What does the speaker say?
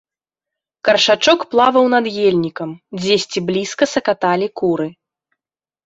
Каршачок плаваў над ельнікам, дзесьці блізка сакаталі куры.